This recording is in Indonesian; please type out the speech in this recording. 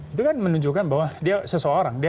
itu kan menunjukkan bahwa dia seseorang